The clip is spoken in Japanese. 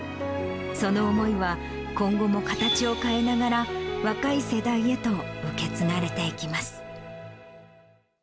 その思いは、今後も形を変えながら、若い世代へと受け継がれていきます。